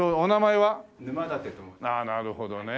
なるほどね。